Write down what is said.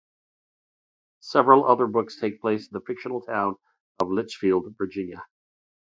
Several other books take place in the fictional town of Lichfield, Virginia.